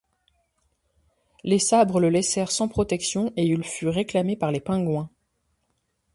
Les Sabres le laissèrent sans protection et il fut réclamé par les Penguins.